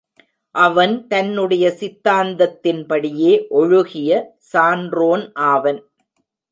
அவன் தன்னுடைய சித்தாந்தத்தின்படியே ஒழுகிய சான்றோன் ஆவன்.